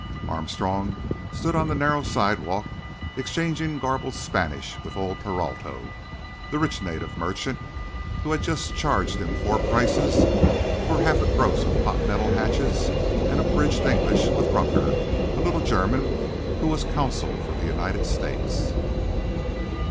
Armstrong stood on the narrow sidewalk, exchanging garbled Spanish with old Peralto, the rich native merchant who had just charged him four prices for half a gross of pot metal hatchets, and abridged English with Rucker, the little German who was Consul for the United States.